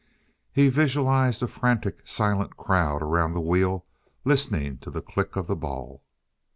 He visualized a frantic, silent crowd around the wheel listening to the click of the ball.